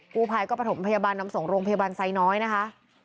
กู้ภัยก็ประถมพยาบาลนำส่งโรงพยาบาลไซน้อยนะคะ